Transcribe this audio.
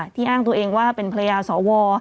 ที่อ้างตัวเองว่าเป็นเพลยาสว